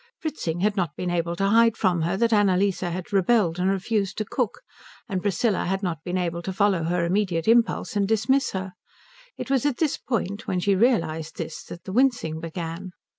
Fritzing had not been able to hide from her that Annalise had rebelled and refused to cook, and Priscilla had not been able to follow her immediate impulse and dismiss her. It was at this point, when she realized this, that the wincing began.